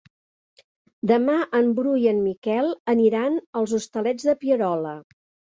Demà en Bru i en Miquel aniran als Hostalets de Pierola.